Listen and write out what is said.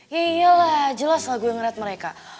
ya iyalah jelas lah gue ngerat mereka